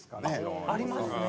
ありますね。